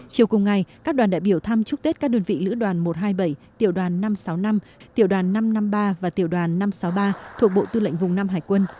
chiều cùng ngày các đoàn đại biểu thăm chúc tết các đơn vị lữ đoàn một trăm hai mươi bảy tiểu đoàn năm trăm sáu mươi năm tiểu đoàn năm trăm năm mươi ba và tiểu đoàn năm trăm sáu mươi ba thuộc bộ tư lệnh vùng năm hải quân